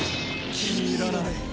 気に入らない。